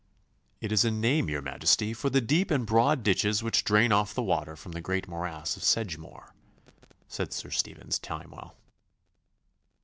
'It is a name, your Majesty, for the deep and broad ditches which drain off the water from the great morass of Sedgemoor,' said Sir Stephen Timewell.